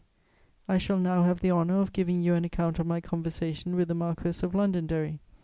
I shall now have the honour of giving you an account of my conversation with the Marquess of Londonderry.